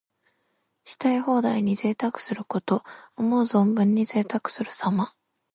したい放題に贅沢すること。思う存分にぜいたくするさま。